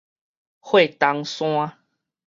霍童山